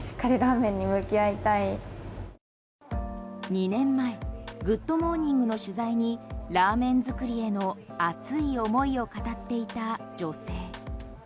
２年前「グッド！モーニング」の取材にラーメン作りへの熱い思いを語っていた女性。